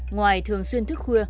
ngoài thường xuyên thức khuya